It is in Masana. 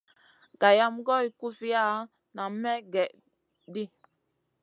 Gayam goy kuziya nam may gèh ɗi.